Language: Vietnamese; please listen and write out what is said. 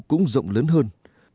cũng rộng lớn hơn